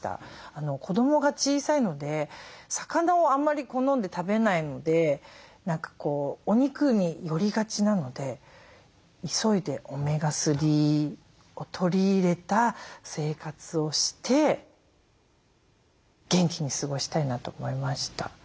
子どもが小さいので魚をあんまり好んで食べないのでお肉に寄りがちなので急いでオメガ３を取り入れた生活をして元気に過ごしたいなと思いました。